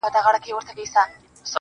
د دغه ښار ښکلي غزلي خیالوري غواړي.